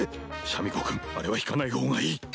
シャミ子君あれは引かない方がいい！